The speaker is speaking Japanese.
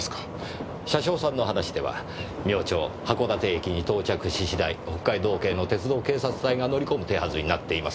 車掌さんの話では明朝函館駅に到着し次第北海道警の鉄道警察隊が乗り込む手はずになっています。